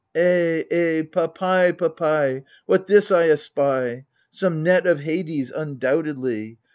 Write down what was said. Eh, eh, papai, papai, What this, I espy ? Some net of Hades undoubtedly